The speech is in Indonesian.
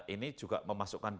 ini juga memasuki masyarakat